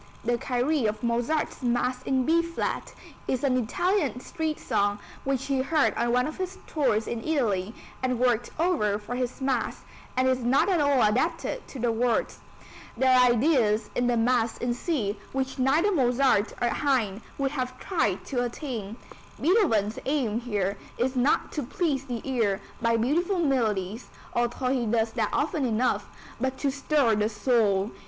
The Kyrie of Mozart's Mass in B flat is an Italian street song which he heard on one of his tours in Italy and worked over for this Mass, and is not at all adapted to the words. There are ideas in the Mass in C which neither Mozart nor Haydn would have tried to attain. Beethoven's aim here is not to please the ear by beautiful melodies, although he does that often enough, but to stir the soul.